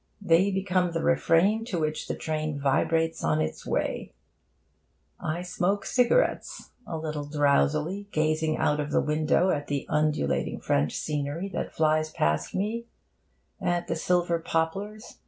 They become the refrain to which the train vibrates on its way. I smoke cigarettes, a little drowsily gazing out of the window at the undulating French scenery that flies past me, at the silver poplars.